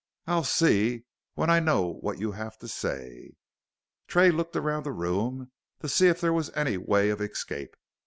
"I'll see, when I know what you have to say." Tray looked round the room to see if there was any way of escape.